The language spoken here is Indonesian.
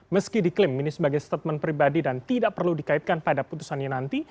meski diklaim ini sebagai statement pribadi dan tidak perlu dikaitkan pada putusannya nanti